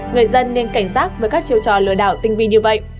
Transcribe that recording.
người dân nên cảnh giác với các chiêu trò lừa đảo tinh vi như vậy